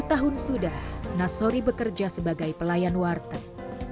dua puluh tahun sudah nasori bekerja sebagai pelayan warteg